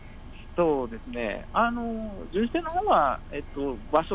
そうですね。